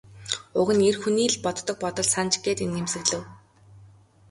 Уг нь эр хүний л боддог бодол санж гээд инээмсэглэв.